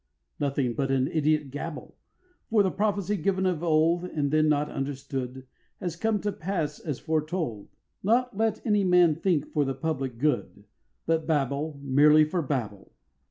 4. Nothing but idiot gabble! For the prophecy given of old And then not understood, Has come to pass as foretold; Not let any man think for the public good, But babble, merely for babble.